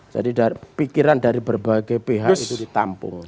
jadi pikiran dari berbagai pihak itu ditampung